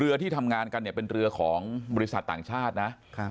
ที่ทำงานกันเนี่ยเป็นเรือของบริษัทต่างชาตินะ